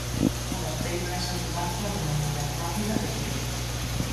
"Adapteime a esa mudanza de maneira rápida e directa".